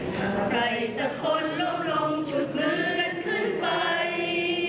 ถ้าใครสักคนล้มลงฉุดมือกันขึ้นไป